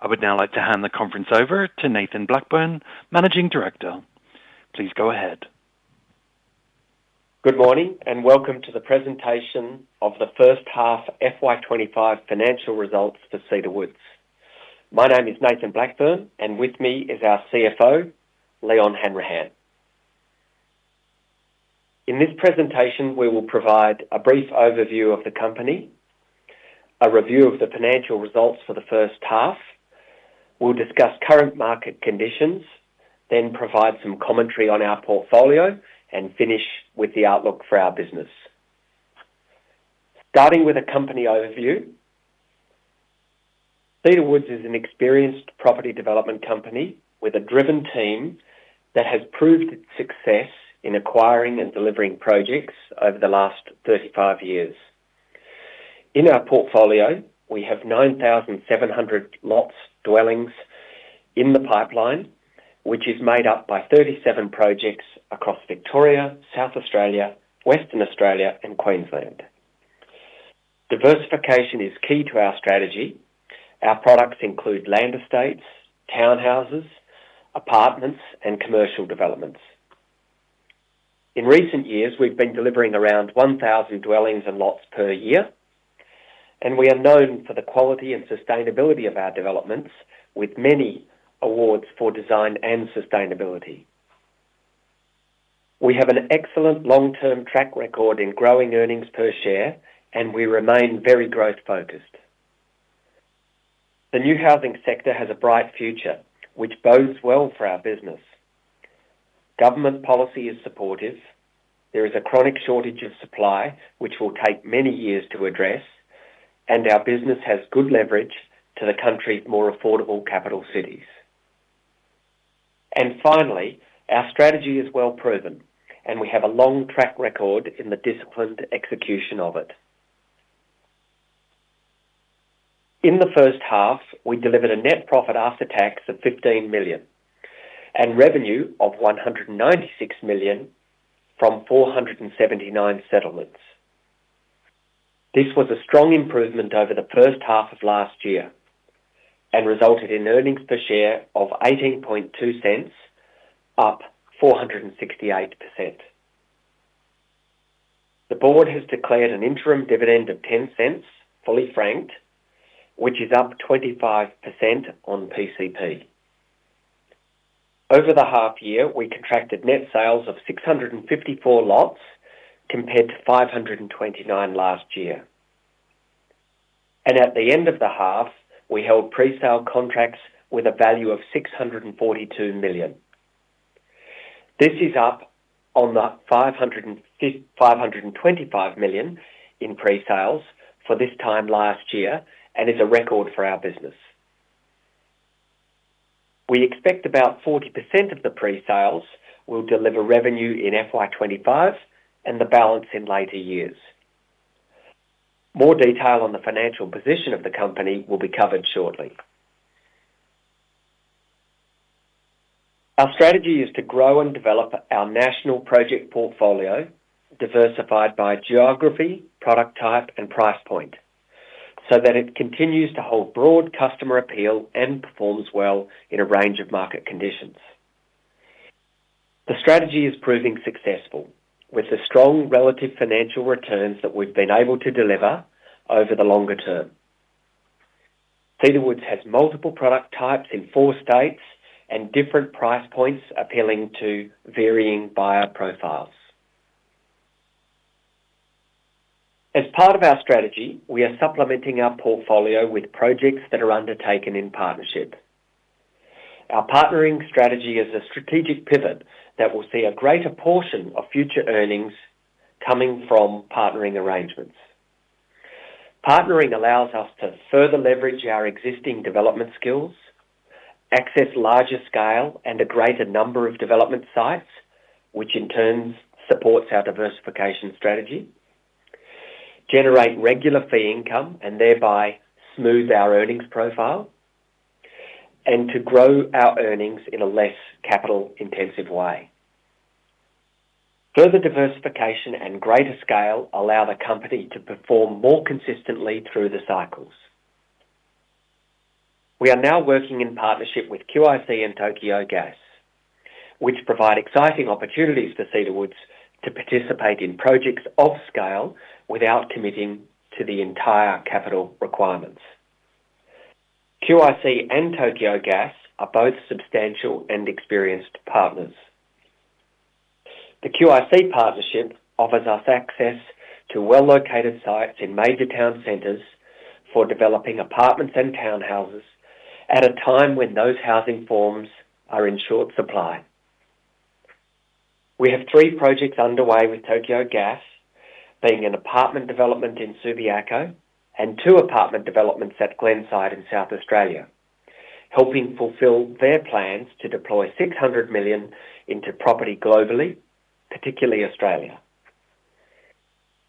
I would now like to hand the conference over to Nathan Blackburne, Managing Director. Please go ahead. Good morning and welcome to the presentation of the first half FY 2025 financial results for Cedar Woods. My name is Nathan Blackburne, and with me is our CFO, Leon Hanrahan. In this presentation, we will provide a brief overview of the company, a review of the financial results for the first half, we'll discuss current market conditions, then provide some commentary on our portfolio, and finish with the outlook for our business. Starting with a company overview, Cedar Woods is an experienced property development company with a driven team that has proved its success in acquiring and delivering projects over the last 35 years. In our portfolio, we have 9,700 lots, dwellings in the pipeline, which is made up by 37 projects across Victoria, South Australia, Western Australia, and Queensland. Diversification is key to our strategy. Our products include land estates, townhouses, apartments, and commercial developments. In recent years, we've been delivering around 1,000 dwellings and lots per year, and we are known for the quality and sustainability of our developments, with many awards for design and sustainability. We have an excellent long-term track record in growing earnings per share, and we remain very growth-focused. The new housing sector has a bright future, which bodes well for our business. Government policy is supportive. There is a chronic shortage of supply, which will take many years to address, and our business has good leverage to the country's more affordable capital cities. And finally, our strategy is well proven, and we have a long track record in the disciplined execution of it. In the first half, we delivered a net profit after tax of 15 million and revenue of 196 million from 479 settlements. This was a strong improvement over the first half of last year and resulted in earnings per share of 0.182, up 468%. The board has declared an interim dividend of 0.10, fully franked, which is up 25% on PCP. Over the half year, we contracted net sales of 654 lots compared to 529 last year, and at the end of the half, we held pre-sale contracts with a value of 642 million. This is up on the 525 million in pre-sales for this time last year and is a record for our business. We expect about 40% of the pre-sales will deliver revenue in FY 2025 and the balance in later years. More detail on the financial position of the company will be covered shortly. Our strategy is to grow and develop our national project portfolio, diversified by geography, product type, and price point, so that it continues to hold broad customer appeal and performs well in a range of market conditions. The strategy is proving successful with the strong relative financial returns that we've been able to deliver over the longer term. Cedar Woods has multiple product types in four states and different price points appealing to varying buyer profiles. As part of our strategy, we are supplementing our portfolio with projects that are undertaken in partnership. Our partnering strategy is a strategic pivot that will see a greater portion of future earnings coming from partnering arrangements. Partnering allows us to further leverage our existing development skills, access larger scale and a greater number of development sites, which in turn supports our diversification strategy, generate regular fee income and thereby smooth our earnings profile, and to grow our earnings in a less capital-intensive way. Further diversification and greater scale allow the company to perform more consistently through the cycles. We are now working in partnership with QIC and Tokyo Gas, which provide exciting opportunities for Cedar Woods to participate in projects of scale without committing to the entire capital requirements. QIC and Tokyo Gas are both substantial and experienced partners. The QIC partnership offers us access to well-located sites in major town centers for developing apartments and townhouses at a time when those housing forms are in short supply. We have three projects underway with Tokyo Gas, being an apartment development in Subiaco and two apartment developments at Glenside in South Australia, helping fulfill their plans to deploy 600 million into property globally, particularly Australia.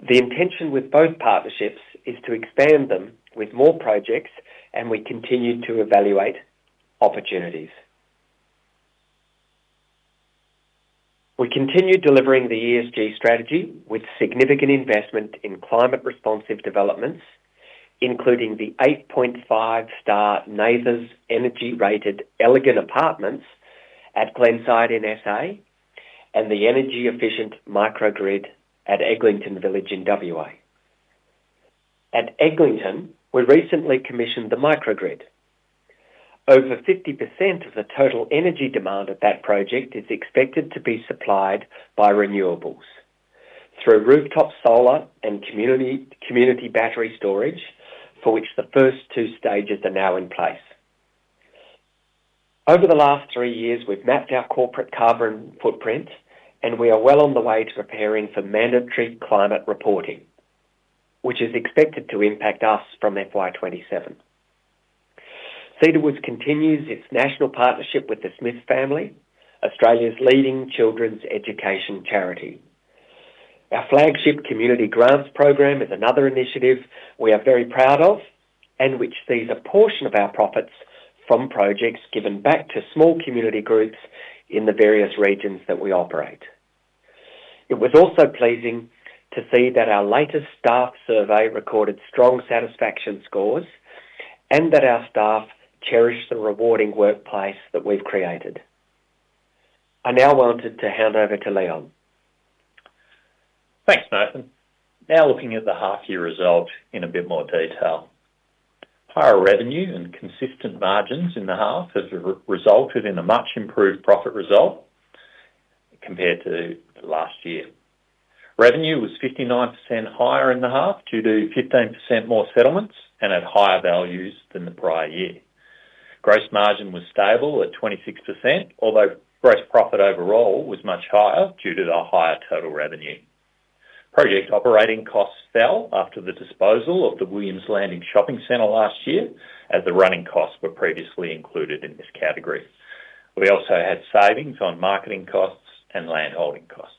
The intention with both partnerships is to expand them with more projects, and we continue to evaluate opportunities. We continue delivering the ESG strategy with significant investment in climate-responsive developments, including the 8.5-star NABERS energy-rated elegant apartments at Glenside in SA and the energy-efficient microgrid at Eglinton Village in WA. At Eglinton, we recently commissioned the microgrid. Over 50% of the total energy demand at that project is expected to be supplied by renewables through rooftop solar and community battery storage, for which the first two stages are now in place. Over the last three years, we've mapped our corporate carbon footprint, and we are well on the way to preparing for mandatory climate reporting, which is expected to impact us from FY27. Cedar Woods continues its national partnership with The Smith Family, Australia's leading children's education charity. Our flagship community grants program is another initiative we are very proud of and which sees a portion of our profits from projects given back to small community groups in the various regions that we operate. It was also pleasing to see that our latest staff survey recorded strong satisfaction scores and that our staff cherish the rewarding workplace that we've created. I now wanted to hand over to Leon. Thanks, Nathan. Now looking at the half-year result in a bit more detail, higher revenue and consistent margins in the half have resulted in a much improved profit result compared to last year. Revenue was 59% higher in the half due to 15% more settlements and at higher values than the prior year. Gross margin was stable at 26%, although gross profit overall was much higher due to the higher total revenue. Project operating costs fell after the disposal of the Williams Landing Shopping Centre last year, as the running costs were previously included in this category. We also had savings on marketing costs and landholding costs.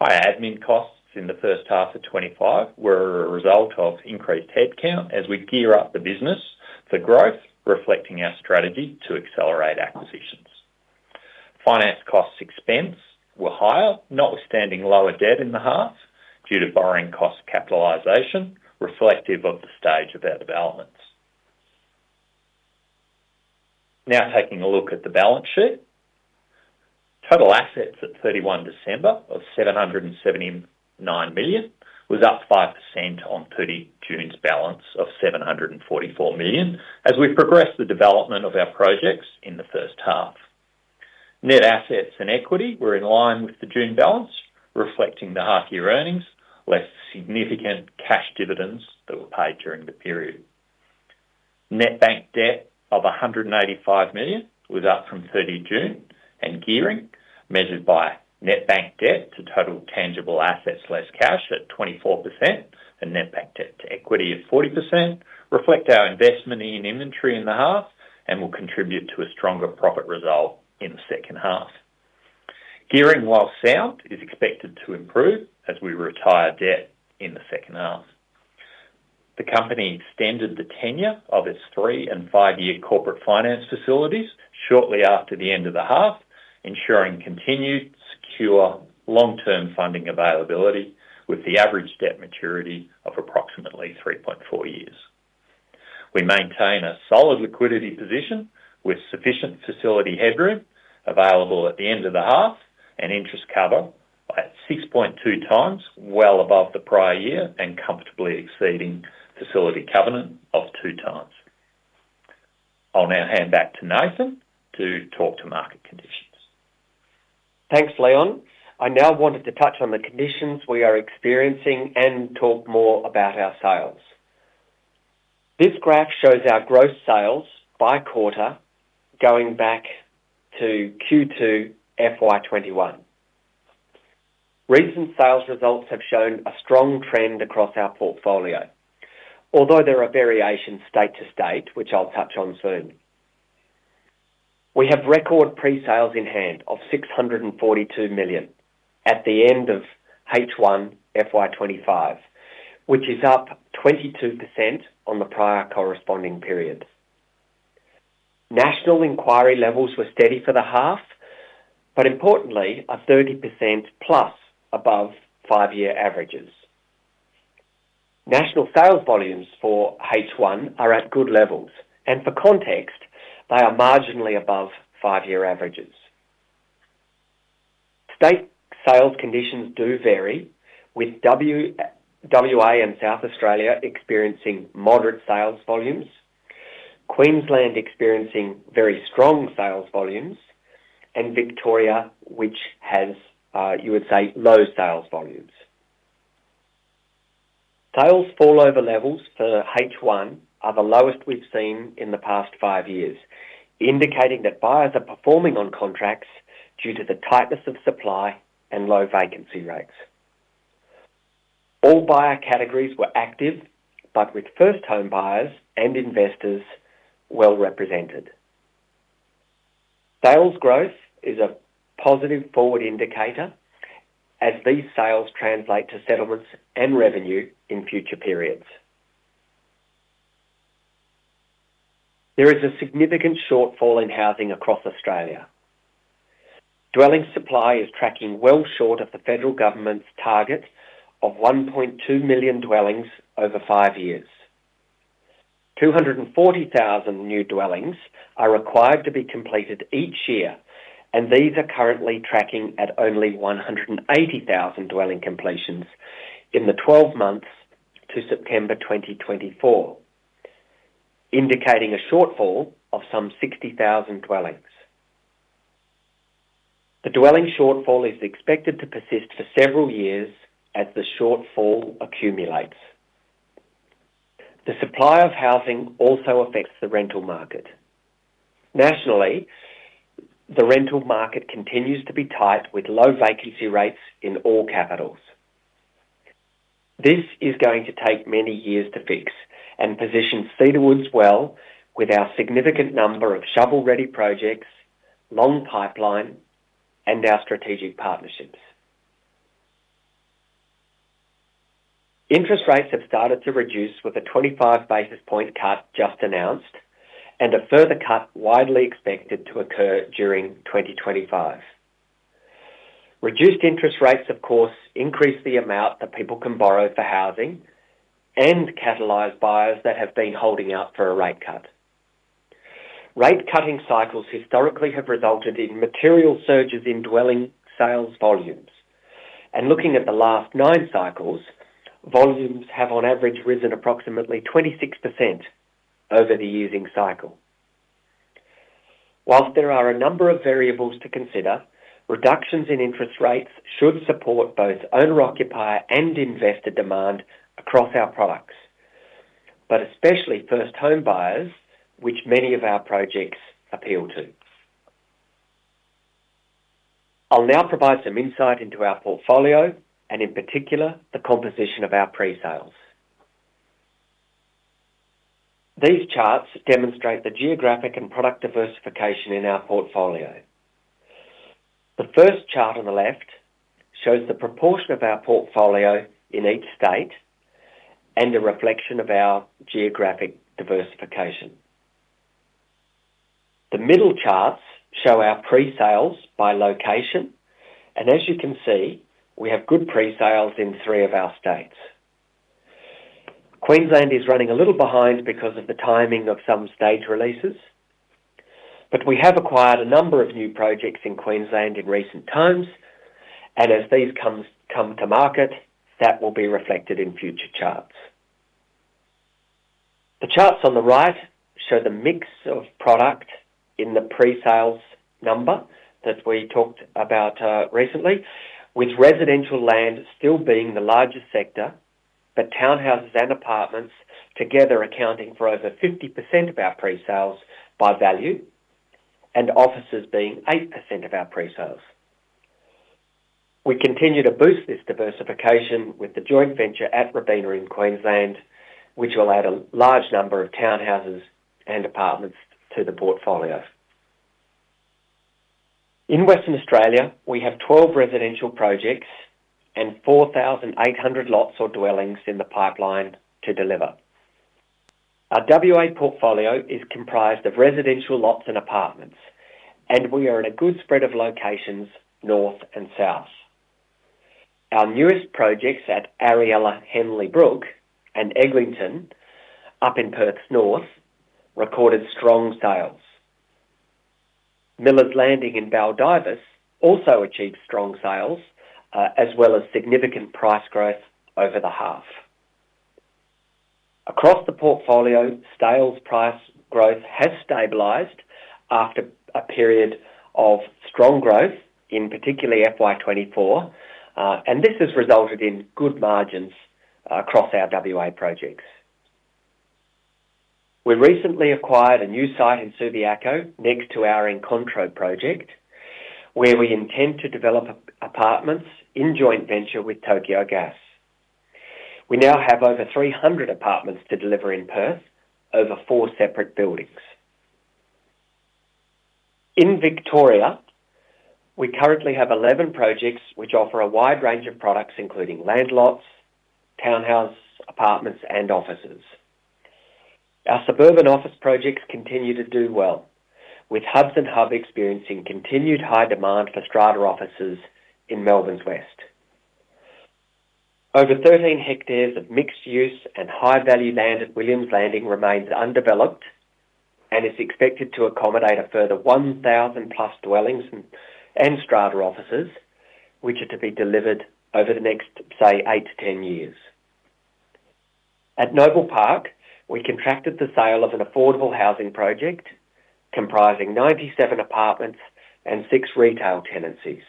Higher admin costs in the first half of 2025 were a result of increased headcount as we gear up the business for growth, reflecting our strategy to accelerate acquisitions. Finance costs expense were higher, notwithstanding lower debt in the half due to borrowing cost capitalisation, reflective of the stage of our developments. Now taking a look at the balance sheet, total assets at 31 December of 779 million was up 5% on June's balance of 744 million as we progressed the development of our projects in the first half. Net assets and equity were in line with the June balance, reflecting the half-year earnings, less significant cash dividends that were paid during the period. Net bank debt of 185 million was up from 30 June, and gearing, measured by net bank debt to total tangible assets less cash at 24% and net bank debt to equity at 40%, reflect our investment in inventory in the half and will contribute to a stronger profit result in the second half. Gearing while sound is expected to improve as we retire debt in the second half. The company extended the tenure of its three and five-year corporate finance facilities shortly after the end of the half, ensuring continued secure long-term funding availability with the average debt maturity of approximately 3.4 years. We maintain a solid liquidity position with sufficient facility headroom available at the end of the half and interest cover at 6.2 times, well above the prior year and comfortably exceeding facility covenant of two times. I'll now hand back to Nathan to talk to market conditions. Thanks, Leon. I now wanted to touch on the conditions we are experiencing and talk more about our sales. This graph shows our gross sales by quarter going back to Q2 FY21. Recent sales results have shown a strong trend across our portfolio, although there are variations state to state, which I'll touch on soon. We have record pre-sales in hand of 642 million at the end of H1 FY 2025, which is up 22% on the prior corresponding period. National inquiry levels were steady for the half, but importantly, a 30% plus above five-year averages. National sales volumes for H1 are at good levels, and for context, they are marginally above five-year averages. State sales conditions do vary, with WA and South Australia experiencing moderate sales volumes, Queensland experiencing very strong sales volumes, and Victoria, which has, you would say, low sales volumes. Sales fallover levels for H1 are the lowest we've seen in the past five years, indicating that buyers are performing on contracts due to the tightness of supply and low vacancy rates. All buyer categories were active, but with first-home buyers and investors well represented. Sales growth is a positive forward indicator as these sales translate to settlements and revenue in future periods. There is a significant shortfall in housing across Australia. Dwelling supply is tracking well short of the federal government's target of 1.2 million dwellings over five years. 240,000 new dwellings are required to be completed each year, and these are currently tracking at only 180,000 dwelling completions in the 12 months to September 2024, indicating a shortfall of some 60,000 dwellings. The dwelling shortfall is expected to persist for several years as the shortfall accumulates. The supply of housing also affects the rental market. Nationally, the rental market continues to be tight with low vacancy rates in all capitals. This is going to take many years to fix and position Cedar Woods well with our significant number of shovel-ready projects, long pipeline, and our strategic partnerships. Interest rates have started to reduce with a 25 basis point cut just announced, and a further cut widely expected to occur during 2025. Reduced interest rates, of course, increase the amount that people can borrow for housing and catalyse buyers that have been holding out for a rate cut. Rate-cutting cycles historically have resulted in material surges in dwelling sales volumes, and looking at the last nine cycles, volumes have on average risen approximately 26% over the ensuing cycle. While there are a number of variables to consider, reductions in interest rates should support both owner-occupier and investor demand across our products, but especially first-home buyers, which many of our projects appeal to. I'll now provide some insight into our portfolio and, in particular, the composition of our pre-sales. These charts demonstrate the geographic and product diversification in our portfolio. The first chart on the left shows the proportion of our portfolio in each state and a reflection of our geographic diversification. The middle charts show our pre-sales by location, and as you can see, we have good pre-sales in three of our states. Queensland is running a little behind because of the timing of some stage releases, but we have acquired a number of new projects in Queensland in recent times, and as these come to market, that will be reflected in future charts. The charts on the right show the mix of product in the pre-sales number that we talked about recently, with residential land still being the largest sector, but townhouses and apartments together accounting for over 50% of our pre-sales by value, and offices being 8% of our pre-sales. We continue to boost this diversification with the joint venture at Robina in Queensland, which will add a large number of townhouses and apartments to the portfolio. In Western Australia, we have 12 residential projects and 4,800 lots or dwellings in the pipeline to deliver. Our WA portfolio is comprised of residential lots and apartments, and we are in a good spread of locations north and south. Our newest projects at Ariella, Henley Brook and Eglinton up in Perth's north recorded strong sales. Millers Landing in Baldivis also achieved strong sales, as well as significant price growth over the half. Across the portfolio, sales price growth has stabilized after a period of strong growth, in particular FY 2024, and this has resulted in good margins across our WA projects. We recently acquired a new site in Subiaco next to our Incontro project, where we intend to develop apartments in joint venture with Tokyo Gas. We now have over 300 apartments to deliver in Perth, over four separate buildings. In Victoria, we currently have 11 projects which offer a wide range of products, including landlots, townhouses, apartments, and offices. Our suburban office projects continue to do well, with Hudson Hub experiencing continued high demand for Strata offices in Melbourne's west. Over 13 hectares of mixed-use and high-value land at Williams Landing remains undeveloped and is expected to accommodate a further 1,000+ dwellings and Strata offices, which are to be delivered over the next, say, eight to 10 years. At Noble Park, we contracted the sale of an affordable housing project comprising 97 apartments and six retail tenancies,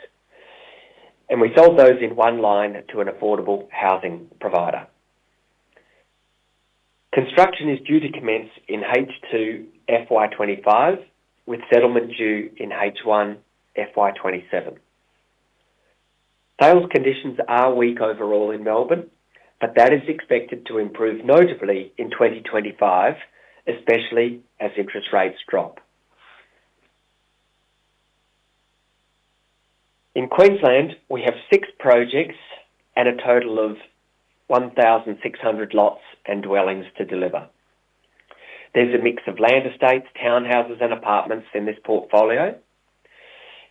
and we sold those in one line to an affordable housing provider. Construction is due to commence in H2 FY 2025, with settlement due in H1 FY27. Sales conditions are weak overall in Melbourne, but that is expected to improve notably in 2025, especially as interest rates drop. In Queensland, we have six projects and a total of 1,600 lots and dwellings to deliver. There's a mix of land estates, townhouses, and apartments in this portfolio,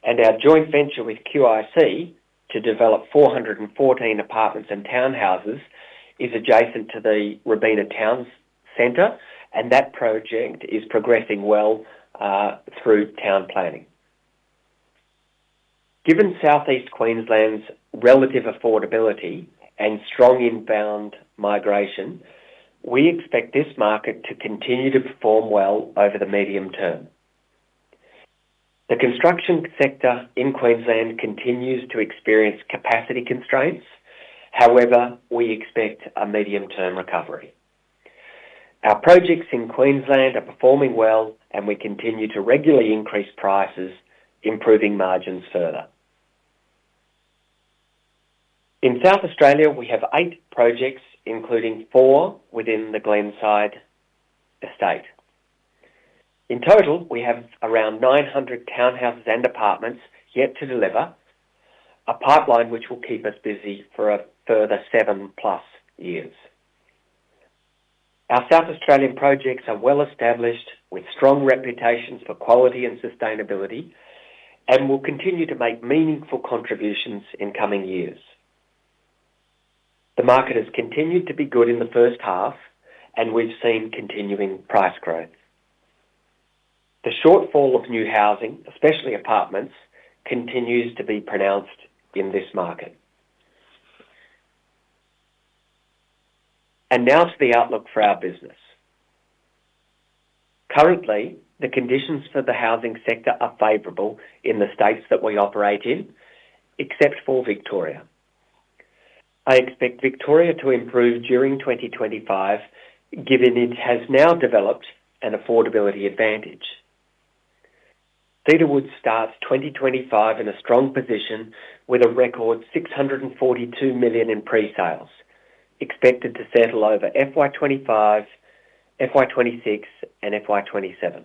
and our joint venture with QIC to develop 414 apartments and townhouses is adjacent to the Robina Town Centre, and that project is progressing well through town planning. Given Southeast Queensland's relative affordability and strong inbound migration, we expect this market to continue to perform well over the medium term. The construction sector in Queensland continues to experience capacity constraints. However, we expect a medium-term recovery. Our projects in Queensland are performing well, and we continue to regularly increase prices, improving margins further. In South Australia, we have eight projects, including four within the Glenside estate. In total, we have around 900 townhouses and apartments yet to deliver, a pipeline which will keep us busy for a further seven-plus years. Our South Australian projects are well established, with strong reputations for quality and sustainability, and will continue to make meaningful contributions in coming years. The market has continued to be good in the first half, and we've seen continuing price growth. The shortfall of new housing, especially apartments, continues to be pronounced in this market. And now to the outlook for our business. Currently, the conditions for the housing sector are favorable in the states that we operate in, except for Victoria. I expect Victoria to improve during 2025, given it has now developed an affordability advantage. Cedar Woods starts 2025 in a strong position with a record 642 million in pre-sales, expected to settle over FY 2025, FY 2026, and FY 2027.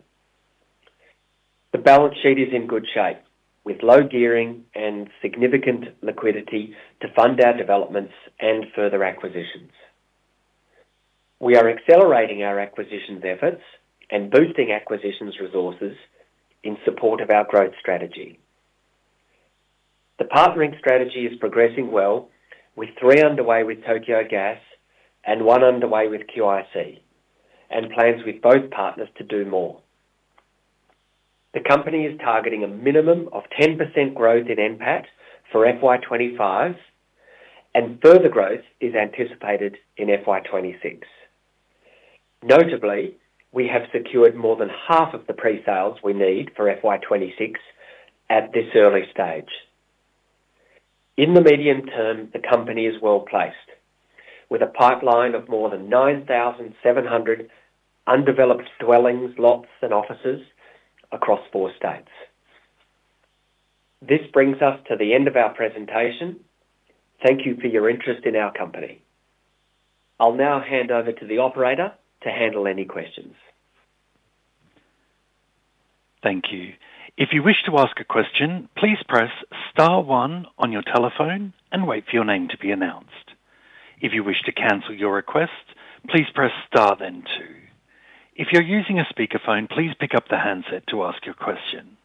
The balance sheet is in good shape, with low gearing and significant liquidity to fund our developments and further acquisitions. We are accelerating our acquisitions efforts and boosting acquisitions resources in support of our growth strategy. The partnering strategy is progressing well, with three underway with Tokyo Gas and one underway with QIC, and plans with both partners to do more. The company is targeting a minimum of 10% growth in NPAT for FY 2025, and further growth is anticipated in FY 2026. Notably, we have secured more than half of the pre-sales we need for FY 2026 at this early stage. In the medium term, the company is well placed, with a pipeline of more than 9,700 undeveloped dwellings, lots, and offices across four states. This brings us to the end of our presentation. Thank you for your interest in our company. I'll now hand over to the operator to handle any questions. Thank you. If you wish to ask a question, please press Star 1 on your telephone and wait for your name to be announced. If you wish to cancel your request, please press Star then 2. If you're using a speakerphone, please pick up the handset to ask your question.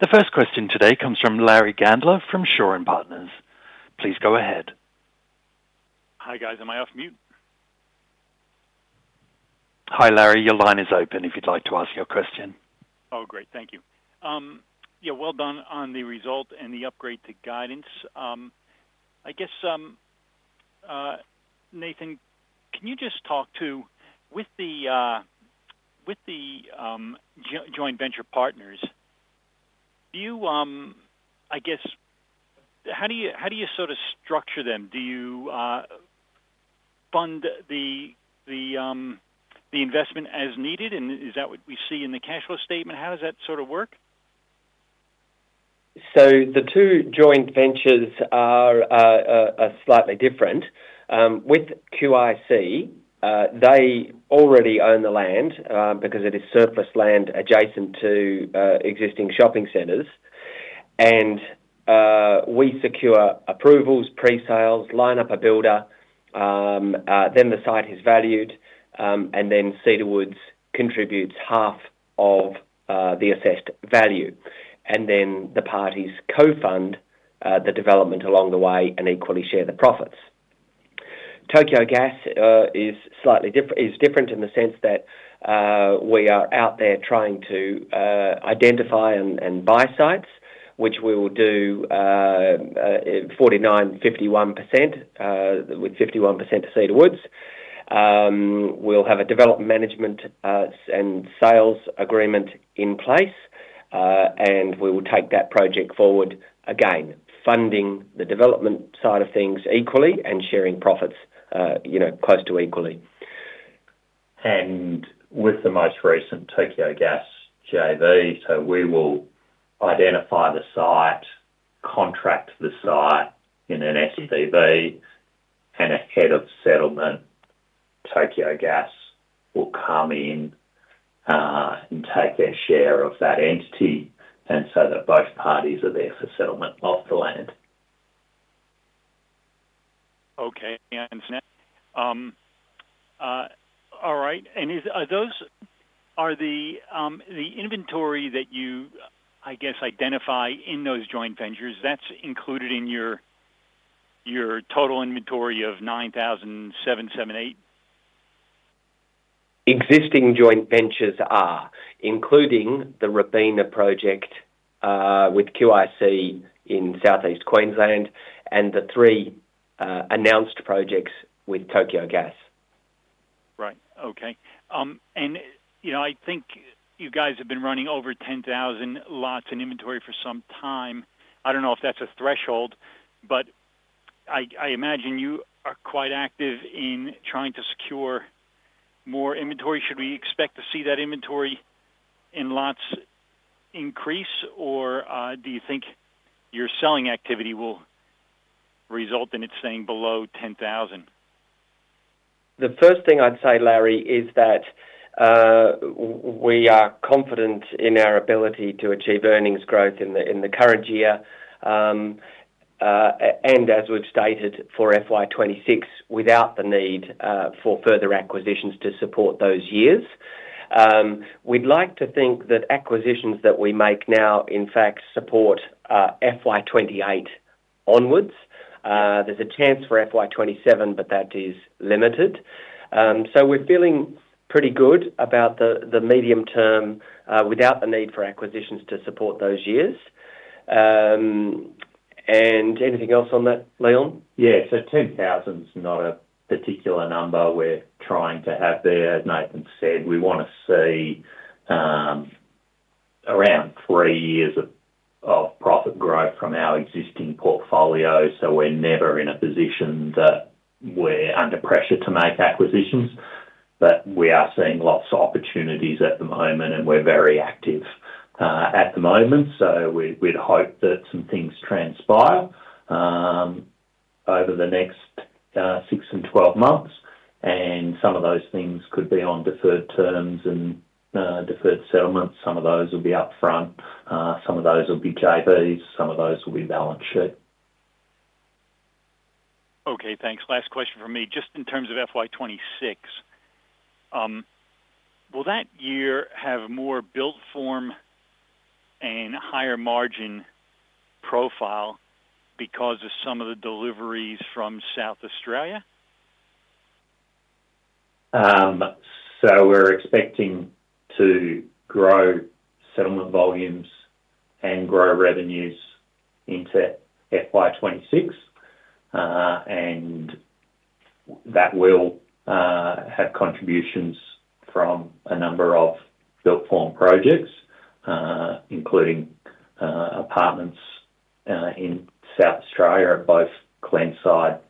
The first question today comes from Larry Gandler from Shaw and Partners. Please go ahead. Hi guys, am I off mute? Hi Larry, your line is open if you'd like to ask your question. Oh, great, thank you. Yeah, well done on the result and the upgrade to guidance. I guess, Nathan, can you just talk to, with the joint venture partners, do you, I guess, how do you sort of structure them? Do you fund the investment as needed, and is that what we see in the cash flow statement? How does that sort of work? So the two joint ventures are slightly different. With QIC, they already own the land because it is surplus land adjacent to existing shopping centers, and we secure approvals, pre-sales, line up a builder, then the site is valued, and then Cedar Woods contributes half of the assessed value, and then the parties co-fund the development along the way and equally share the profits. Tokyo Gas is slightly different in the sense that we are out there trying to identify and buy sites, which we will do 49%-51%, with 51% to Cedar Woods. We'll have a development management and sales agreement in place, and we will take that project forward again, funding the development side of things equally and sharing profits close to equally. With the most recent Tokyo Gas JV, so we will identify the site, contract the site in an SDV, and ahead of settlement, Tokyo Gas will come in and take their share of that entity and so that both parties are there for settlement of the land. Are the inventory that you, I guess, identify in those joint ventures, that's included in your total inventory of $9,778? Existing joint ventures, including the Robina project with QIC in southeast Queensland and the three announced projects with Tokyo Gas. Right, okay. And I think you guys have been running over 10,000 lots in inventory for some time. I don't know if that's a threshold, but I imagine you are quite active in trying to secure more inventory. Should we expect to see that inventory in lots increase, or do you think your selling activity will result in it staying below 10,000? The first thing I'd say, Larry, is that we are confident in our ability to achieve earnings growth in the current year, and as we've stated for FY26, without the need for further acquisitions to support those years. We'd like to think that acquisitions that we make now, in fact, support FY28 onwards. There's a chance for FY27, but that is limited. So we're feeling pretty good about the medium term without the need for acquisitions to support those years. And anything else on that, Leon? Yeah, so 10,000's not a particular number we're trying to have there. As Nathan said, we want to see around three years of profit growth from our existing portfolio, so we're never in a position that we're under pressure to make acquisitions. But we are seeing lots of opportunities at the moment, and we're very active at the moment, so we'd hope that some things transpire over the next 6 and 12 months, and some of those things could be on deferred terms and deferred settlements. Some of those will be upfront. Some of those will be JVs. Some of those will be balance sheet. Okay, thanks. Last question for me, just in terms of FY26, will that year have more built form and higher margin profile because of some of the deliveries from South Australia? We're expecting to grow settlement volumes and grow revenues into FY 2026, and that will have contributions from a number of built form projects, including apartments in South Australia, both Glenside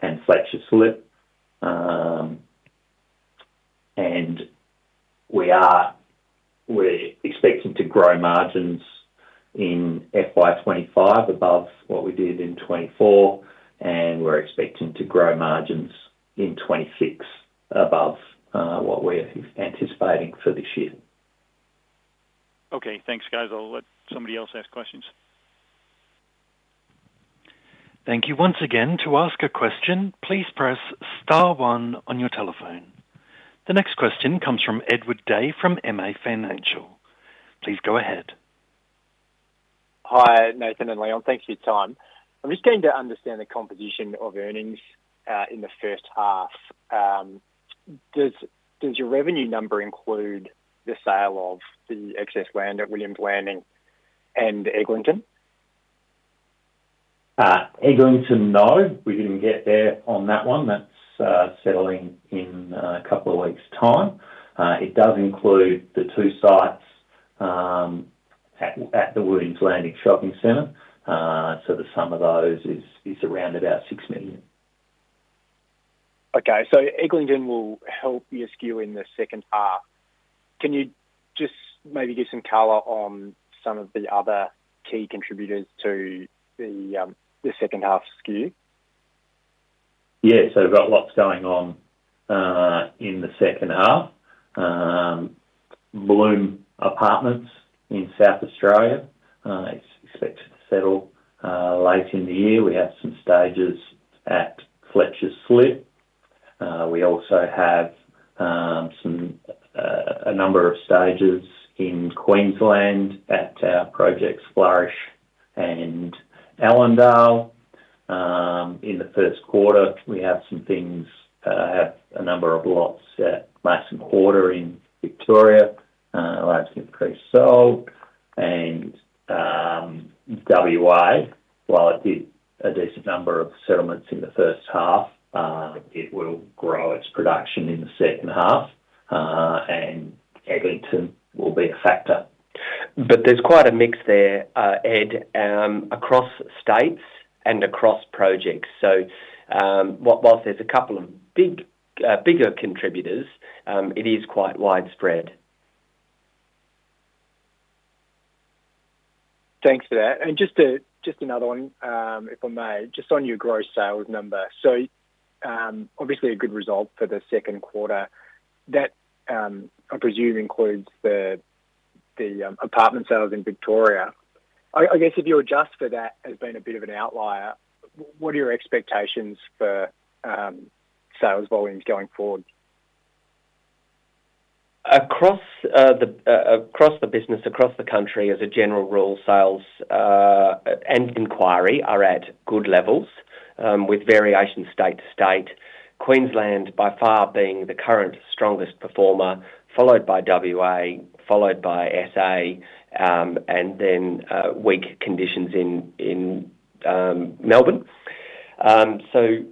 and Fletcher Slip. We're expecting to grow margins in FY 2025 above what we did in 2024, and we're expecting to grow margins in 2026 above what we're anticipating for this year. Okay, thanks guys. I'll let somebody else ask questions. Thank you once again. To ask a question, please press Star 1 on your telephone. The next question comes from Edward Day from MA Financial. Please go ahead. Hi, Nathan and Leon. Thanks for your time. I'm just getting to understand the composition of earnings in the first half. Does your revenue number include the sale of the excess land at Williams Landing and Eglinton? Eglinton, no. We didn't get there on that one. That's settling in a couple of weeks' time. It does include the two sites at the Williams Landing Shopping Center, so the sum of those is around about 6 million. Okay, so Eglinton will help you skew in the second half. Can you just maybe give some color on some of the other key contributors to the second half skew? Yeah, so we've got lots going on in the second half. Bloom Apartments in South Australia is expected to settle late in the year. We have some stages at Fletcher Slip. We also have a number of stages in Queensland at our projects, Flourish and Ellendale. In the first quarter, we have some things that have a number of lots at Mason Quarter in Victoria, large increase sold, and WA, while it did a decent number of settlements in the first half, it will grow its production in the second half, and Eglinton will be a factor. But there's quite a mix there, Ed, across states and across projects. So whilst there's a couple of bigger contributors, it is quite widespread. Thanks for that. And just another one, if I may, just on your gross sales number. So obviously a good result for the second quarter. That I presume includes the apartment sales in Victoria. I guess if you adjust for that as being a bit of an outlier, what are your expectations for sales volumes going forward? Across the business, across the country, as a general rule, sales and inquiry are at good levels with variation state to state. Queensland, by far, being the current strongest performer, followed by WA, followed by SA, and then weak conditions in Melbourne. So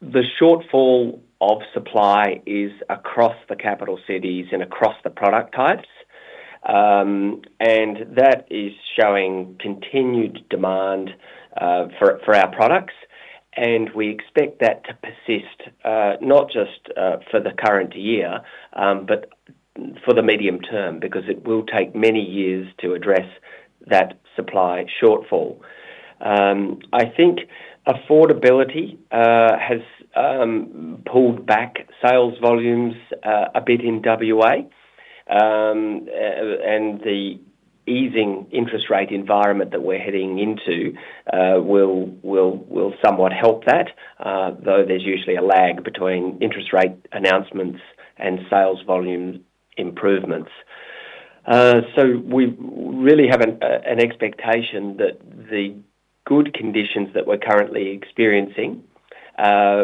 the shortfall of supply is across the capital cities and across the product types, and that is showing continued demand for our products, and we expect that to persist not just for the current year, but for the medium term because it will take many years to address that supply shortfall. I think affordability has pulled back sales volumes a bit in WA, and the easing interest rate environment that we're heading into will somewhat help that, though there's usually a lag between interest rate announcements and sales volume improvements. So we really have an expectation that the good conditions that we're currently experiencing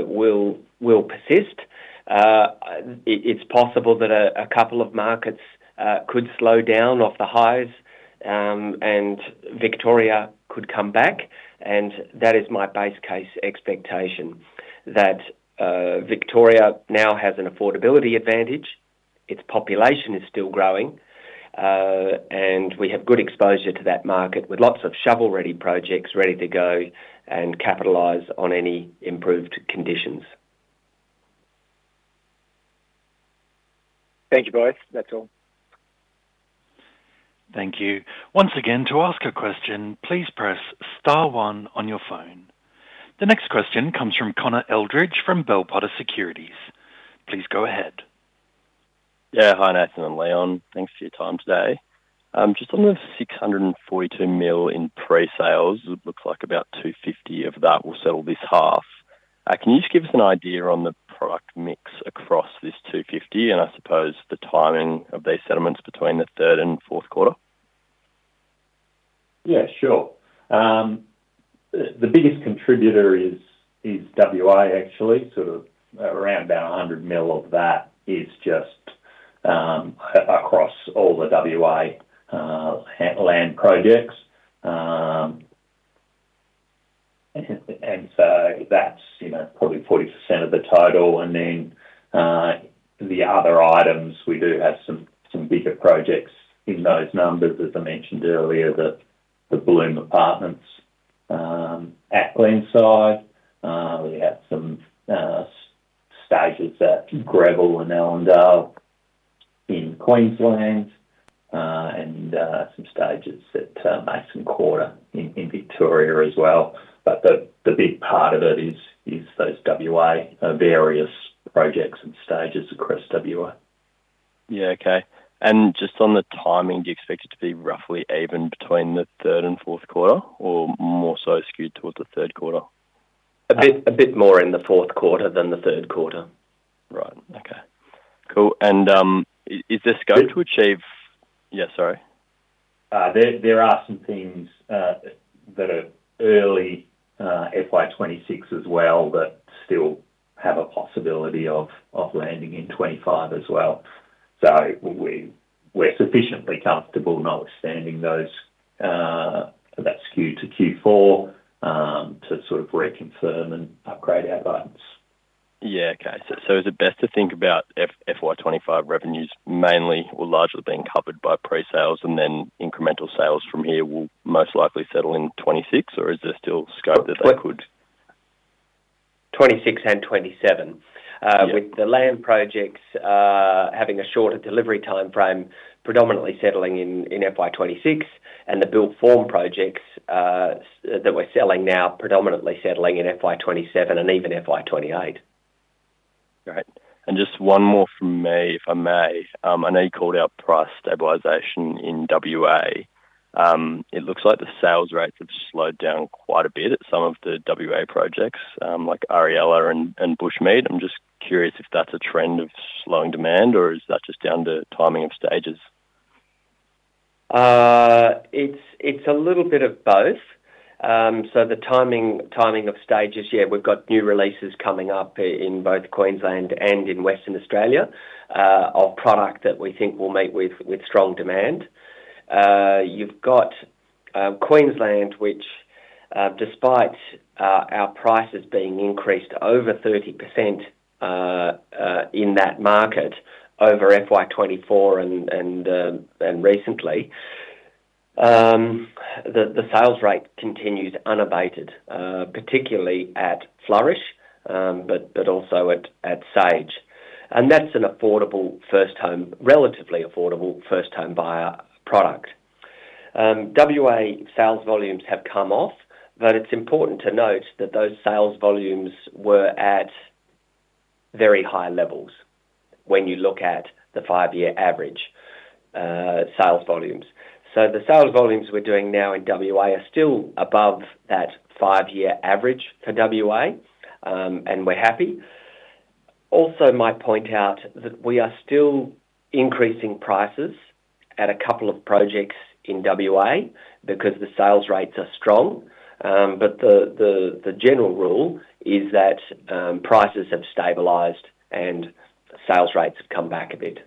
will persist. It's possible that a couple of markets could slow down off the highs, and Victoria could come back, and that is my base case expectation that Victoria now has an affordability advantage. Its population is still growing, and we have good exposure to that market with lots of shovel-ready projects ready to go and capitalize on any improved conditions. Thank you both. That's all. Thank you. Once again, to ask a question, please press Star 1 on your phone. The next question comes from Connor Eldridge from Bell Potter Securities. Please go ahead. Yeah, hi Nathan, I'm Leon. Thanks for your time today. Just on the 642 million in pre-sales, it looks like about 250 million of that will settle this half. Can you just give us an idea on the product mix across this 250 million and I suppose the timing of these settlements between the third and fourth quarter? Yeah, sure. The biggest contributor is WA, actually. Sort of around about 100 million of that is just across all the WA land projects, and so that's probably 40% of the total. And then the other items, we do have some bigger projects in those numbers, as I mentioned earlier, the Bloom Apartments at Glenside. We have some stages at Greville and Ellendale in Queensland and some stages at Mason Quarter in Victoria as well. But the big part of it is those WA various projects and stages across WA. Yeah, okay. And just on the timing, do you expect it to be roughly even between the third and fourth quarter or more so skewed towards the third quarter? A bit more in the fourth quarter than the third quarter. Right, okay. Cool. And is there scope to achieve, yeah, sorry. There are some things that are early FY 2026 as well that still have a possibility of landing in 2025 as well, so we're sufficiently comfortable notwithstanding that skew to Q4 to sort of reconfirm and upgrade our guidance. Yeah, okay. So is it best to think about FY 2025 revenues mainly will largely be covered by pre-sales, and then incremental sales from here will most likely settle in 2026, or is there still scope that they could? FY 2026 and FY 2027, with the land projects having a shorter delivery timeframe, predominantly settling in FY 2026, and the built form projects that we're selling now predominantly settling in FY 2027 and even FY 2028. Great. And just one more from me, if I may. I know you called out price stabilisation in WA. It looks like the sales rates have slowed down quite a bit at some of the WA projects like Ariella and Bushmead. I'm just curious if that's a trend of slowing demand, or is that just down to timing of stages? It's a little bit of both. So the timing of stages, yeah, we've got new releases coming up in both Queensland and in Western Australia of product that we think will meet with strong demand. You've got Queensland, which despite our prices being increased over 30% in that market over FY 2024 and recently, the sales rate continues unabated, particularly at Flourish, but also at Sage. And that's an affordable first home, relatively affordable first home buyer product. WA sales volumes have come off, but it's important to note that those sales volumes were at very high levels when you look at the five-year average sales volumes. So the sales volumes we're doing now in WA are still above that five-year average for WA, and we're happy. Also, might point out that we are still increasing prices at a couple of projects in WA because the sales rates are strong. But the general rule is that prices have stabilized and sales rates have come back a bit.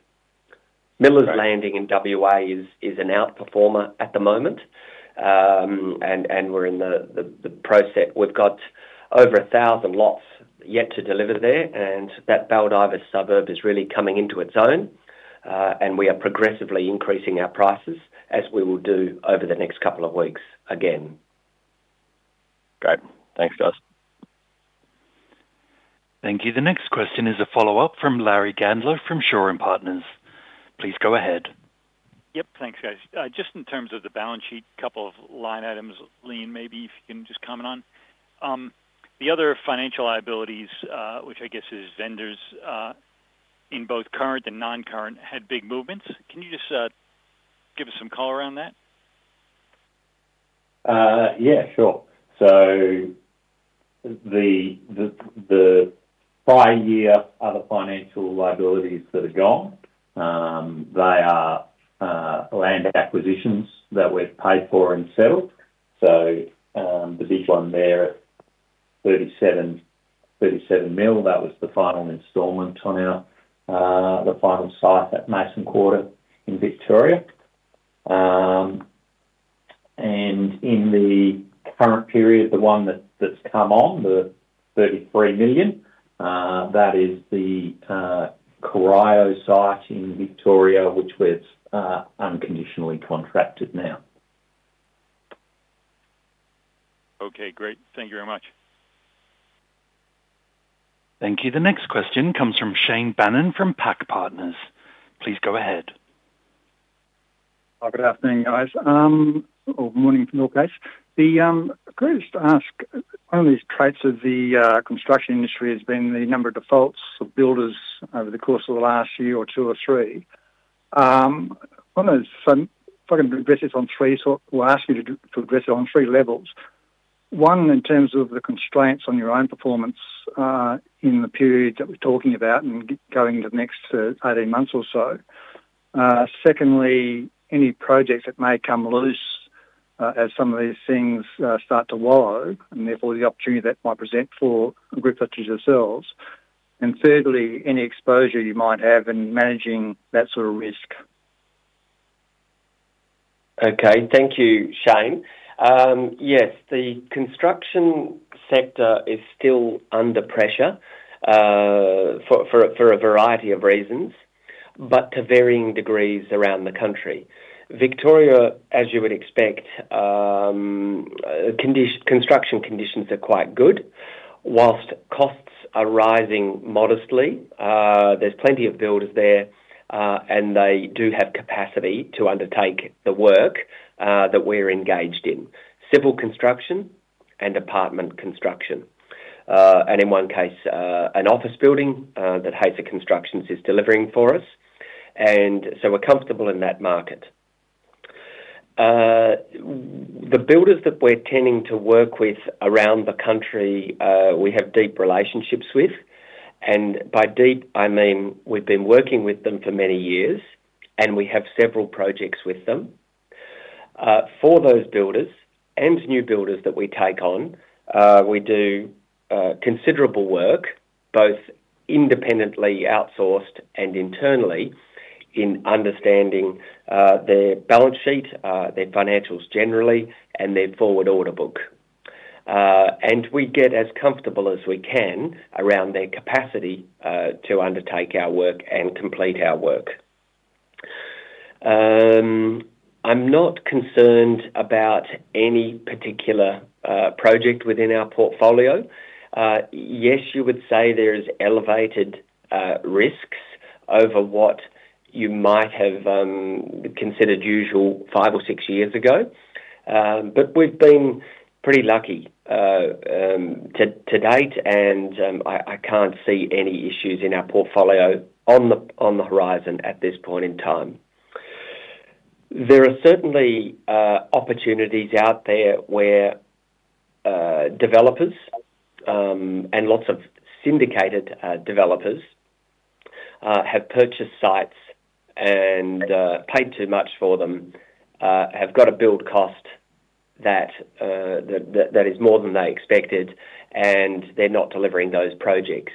Millers Landing in WA is an outperformer at the moment, and we're in the process. We've got over 1,000 lots yet to deliver there, and that Baldivis suburb is really coming into its own, and we are progressively increasing our prices as we will do over the next couple of weeks again. Great. Thanks, guys. Thank you. The next question is a follow-up from Larry Gandler from Shaw and Partners. Please go ahead. Yep, thanks, guys. Just in terms of the balance sheet, a couple of line items, Leon, maybe if you can just comment on: the other financial liabilities, which I guess is vendors in both current and non-current, had big movements. Can you just give us some color around that? Yeah, sure. So the prior year other financial liabilities that are gone, they are land acquisitions that we've paid for and settled. So the big one there at 37 million, that was the final installment on the final site at Mason Quarter in Victoria. And in the current period, the one that's come on, the 33 million, that is the Corio site in Victoria, which we've unconditionally contracted now. Okay, great. Thank you very much. Thank you. The next question comes from Shane Bannan from PAC Partners. Please go ahead. Hi, good afternoon, guys. Or good morning in your case. The greatest aspect of the state of the construction industry has been the number of defaults of builders over the course of the last year or two or three. I'm going to focus on three, so we'll ask you to address it on three levels. One, in terms of the constraints on your own performance in the period that we're talking about and going into the next 18 months or so. Secondly, any projects that may come loose as some of these things start to wallow, and therefore the opportunity that might present for a group such as yourselves. And thirdly, any exposure you might have in managing that sort of risk. Okay, thank you, Shane. Yes, the construction sector is still under pressure for a variety of reasons, but to varying degrees around the country. Victoria, as you would expect, construction conditions are quite good. While costs are rising modestly, there's plenty of builders there, and they do have capacity to undertake the work that we're engaged in: civil construction and apartment construction. And in one case, an office building that Hacer Constructions is delivering for us. And so we're comfortable in that market. The builders that we're tending to work with around the country, we have deep relationships with. And by deep, I mean we've been working with them for many years, and we have several projects with them. For those builders and new builders that we take on, we do considerable work, both independently outsourced and internally, in understanding their balance sheet, their financials generally, and their forward order book. And we get as comfortable as we can around their capacity to undertake our work and complete our work. I'm not concerned about any particular project within our portfolio. Yes, you would say there is elevated risks over what you might have considered usual five or six years ago. But we've been pretty lucky to date, and I can't see any issues in our portfolio on the horizon at this point in time. There are certainly opportunities out there where developers and lots of syndicated developers have purchased sites and paid too much for them, have got a build cost that is more than they expected, and they're not delivering those projects.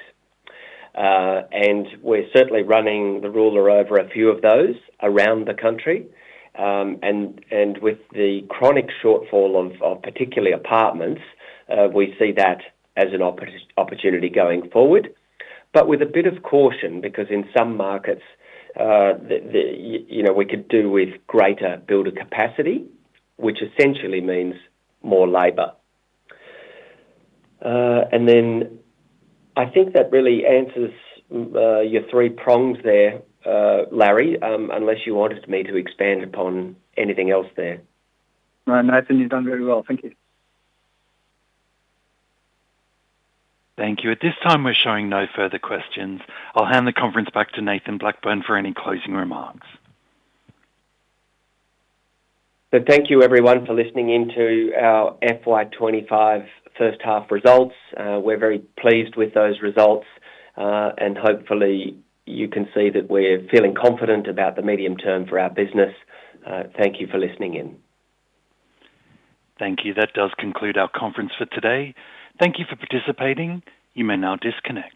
And we're certainly running the ruler over a few of those around the country. And with the chronic shortfall of particularly apartments, we see that as an opportunity going forward. But with a bit of caution, because in some markets we could do with greater builder capacity, which essentially means more labor. And then I think that really answers your three prongs there, Larry, unless you wanted me to expand upon anything else there. No, Nathan, you've done very well. Thank you. Thank you. At this time, we're showing no further questions. I'll hand the conference back to Nathan Blackburne for any closing remarks. Thank you, everyone, for listening in to our FY 2025 first half results. We're very pleased with those results, and hopefully you can see that we're feeling confident about the medium term for our business. Thank you for listening in. Thank you. That does conclude our conference for today. Thank you for participating. You may now disconnect.